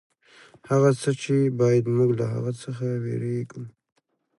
هغه څه چې باید موږ له هغه څخه وېرېږو.